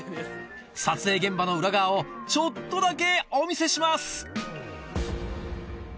撮影現場の裏側をちょっとだけお見せします